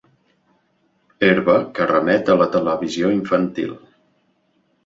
Herba que remet a la televisió infantil.